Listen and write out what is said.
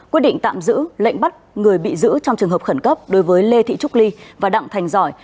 quyết định tạm giữ lệnh bắt người bị giữ trong trường hợp khẩn cấp đối với lê thị trúc ly và đặng thành giỏi